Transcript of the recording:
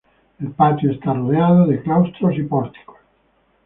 El patio está rodeado de claustros y pórticos.